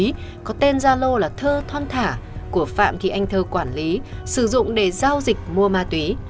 mua ma túy có tên gia lô là thơ thon thả của phạm thì anh thơ quản lý sử dụng để giao dịch mua ma túy